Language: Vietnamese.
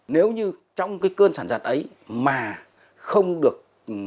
nếu như trong cơn sản dật ấy mà không được